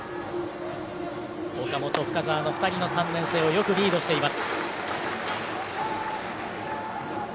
岡本、深沢の２人の３年生をよくリードしています。